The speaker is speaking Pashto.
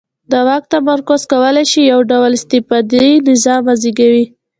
د واک تمرکز کولای شي یو ډ ول استبدادي نظام وزېږوي.